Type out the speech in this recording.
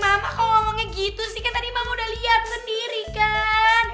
eh mama kalo ngomongnya gitu sih kan tadi mama udah liat sendiri kan